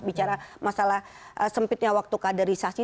bicara masalah sempitnya waktu kaderisasi